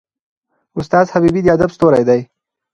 استاد حبیبي د ادب ستوری دی.